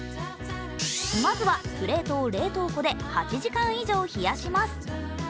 まずはプレートを冷凍庫で８時間以上冷やします。